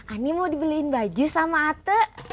ani mau dibeliin baju sama ate